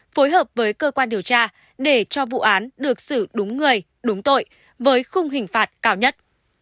phối hợp với cơ quan điều tra để cho vụ án được xử đúng người đúng tội với khung hình phạt cao nhất